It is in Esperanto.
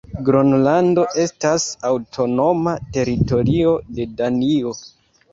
Gronlando estas aŭtonoma teritorio de Danio.